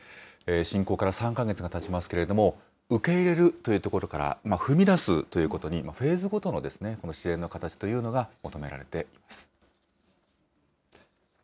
侵攻から３か月がたちますけれども、受け入れるというところから、踏み出すということに、フェーズごとの支援の形というのが求められています。